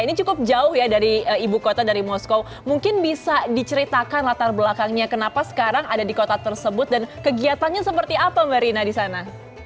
ini cukup jauh ya dari ibu kota dari moskow mungkin bisa diceritakan latar belakangnya kenapa sekarang ada di kota tersebut dan kegiatannya seperti apa mbak rina di sana